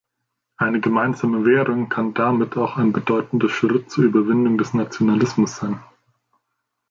Eine gemeinsame Währung kann damit auch ein bedeutender Schritt zur Überwindung des Nationalismus sein.